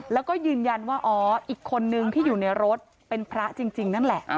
แล้วก็ยืนยันว่าอ๋ออีกคนนึงที่อยู่ในรถเป็นพระจริงนั่นแหละ